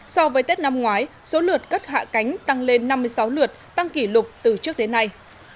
so với tết năm ngoái số lượt cất hạ cánh tăng lên năm mươi sáu lượt tăng kỷ lục từ trước đến nay